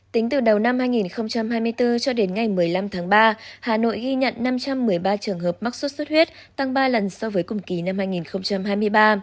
tính từ đầu năm hai nghìn hai mươi bốn cho đến ngày một mươi năm tháng ba hà nội ghi nhận năm trăm một mươi ba trường hợp mắc sốt xuất huyết tăng ba lần so với cùng kỳ năm hai nghìn hai mươi ba